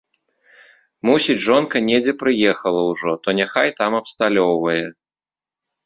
Мусіць, жонка недзе прыехала ўжо, то няхай там абсталёўвае.